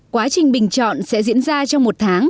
quá trình bình chọn sẽ diễn ra trong một tháng